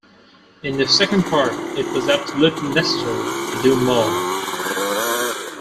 In the Second Part it was absolutely necessary to do more.